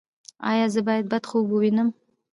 ایا زه باید بد خوب ووینم؟